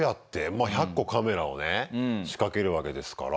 まあ１００個カメラをね仕掛けるわけですから。